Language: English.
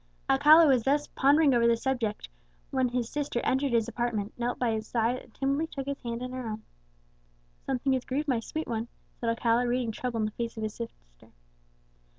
Alcala was thus pondering over the subject, when his sister entered his apartment, knelt by his side, and timidly took his hand in her own. "Something has grieved my sweet one," said Alcala, reading trouble in the face of his sister.